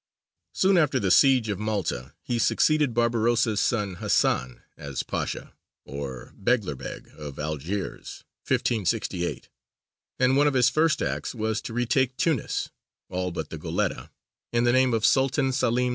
Soon after the siege of Malta he succeeded Barbarossa's son Hasan as pasha or Beglerbeg of Algiers (1568), and one of his first acts was to retake Tunis (all but the Goletta) in the name of Sultan Selīm II.